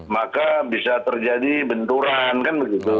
maka bisa terjadi benturan kan begitu